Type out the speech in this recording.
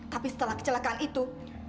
tapi setelah kecelakaan itu